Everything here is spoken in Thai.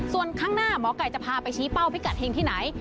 ส่วนข้างหน้าหมอไก่จะพาไปชี้เป้าพิกัดเฮงที่ไหน